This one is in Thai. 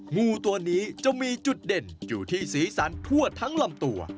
งูตัวนี้จะมีจุดเด่นอยู่ที่สีสันทั่วทั้งลำตัว